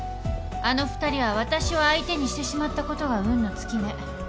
あの２人は私を相手にしてしまったことが運の尽きね。